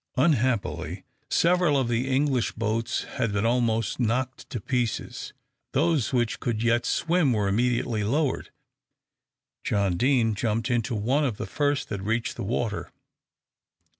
Unhappily, several of the English boats had been almost knocked to pieces. Those which could yet swim were immediately lowered. John Deane jumped into one of the first that reached the water.